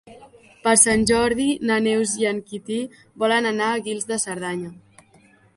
Per Sant Jordi na Neus i en Quintí volen anar a Guils de Cerdanya.